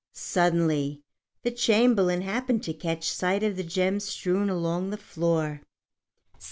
Suddenly the Chamberlain happened to catch sight of the gems strewn along the floor.